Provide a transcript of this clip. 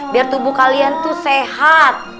biar tubuh kalian tuh sehat